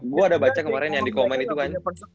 gue ada baca kemarin yang di komen itu kan